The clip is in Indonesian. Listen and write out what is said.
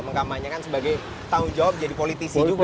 mengkampanyekan sebagai tanggung jawab jadi politisi juga gitu ya